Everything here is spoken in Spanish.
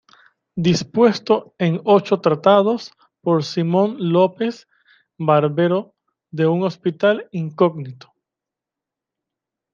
Dispuesto en ocho tratados, por Simón López, Barbero de un hospital incógnito.